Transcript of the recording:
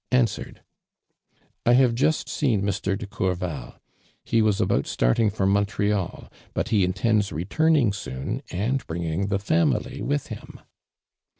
'' answered :" I have just seen Mr. dc Courval. lie was about starting for Montreal, but be intends returning soon an<l bringing the lamily with him."